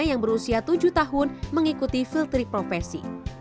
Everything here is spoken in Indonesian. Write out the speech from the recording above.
yang berusia tujuh tahun mengikuti filtry profesi